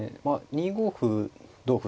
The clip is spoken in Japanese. ２五歩同歩